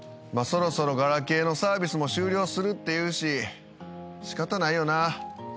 そろそろガラケーのサービスも終了するっていうし仕方ないよな。